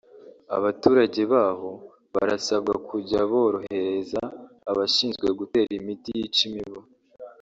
abaturage baho barasabwa kujya borohereza abashinzwe gutera imiti yica imibu